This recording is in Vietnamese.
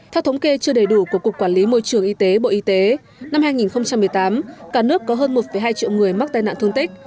theo thống kê chưa đầy đủ của cục quản lý môi trường y tế bộ y tế năm hai nghìn một mươi tám cả nước có hơn một hai triệu người mắc tai nạn thương tích